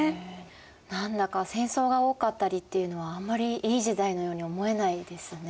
何だか戦争が多かったりっていうのはあんまりいい時代のように思えないですね。